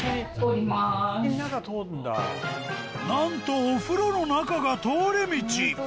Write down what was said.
なんとお風呂の中が通り道！